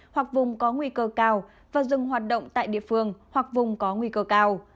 hoặc vùng có nguy cơ cao và dừng hoạt động tại địa phương hoặc vùng có nguy cơ cao